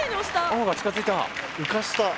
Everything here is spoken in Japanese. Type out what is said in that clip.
青が近づいた。